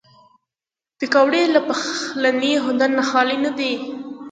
پکورې له پخلي هنر نه خالي نه دي